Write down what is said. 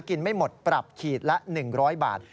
ไม่หมดปรับขีดละ๑๐๐บาท